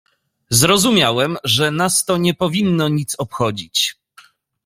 "Zrozumiałem, że nas to nie powinno nic obchodzić."